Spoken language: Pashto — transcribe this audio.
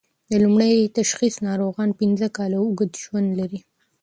د لومړني تشخیص ناروغان پنځه کاله اوږد ژوند لري.